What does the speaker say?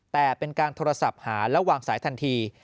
แต่เป็นการโทรศัพท์หาและวางสายทันที